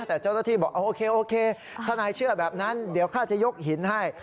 แต่เจ้าหน้าที่บอกโอเคโอเคถ้านายเชื่อแบบนั้นเดี๋ยวข้าจะยกหินให้